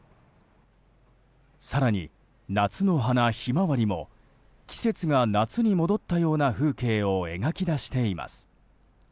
更に、夏の花ヒマワリも季節が夏に戻ったような風景を描き出しています。